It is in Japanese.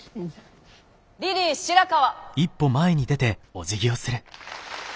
リリー白川。